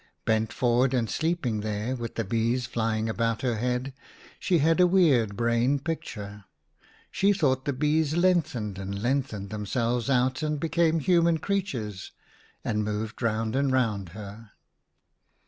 Bent forward and sleeping there, with the bees flying about her head, she had a weird brain picture ; she thought the bees lengthened and lengthened themselves out and be came human creatures and moved round A DREAM OF WILD BEES. 91 and round her.